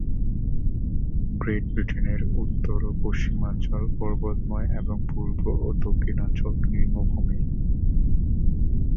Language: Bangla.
গ্রেট ব্রিটেনের উত্তর ও পশ্চিমাঞ্চল পর্বতময় এবং পূর্ব ও দক্ষিণাঞ্চল নিম্নভূমি।